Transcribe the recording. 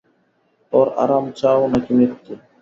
ওর আরাম চাও নাকি মৃত্যু?